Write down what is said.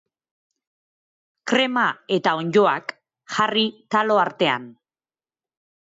Krema eta onddoak jarri talo artean.